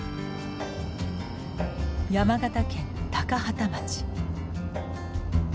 山形県高畠町。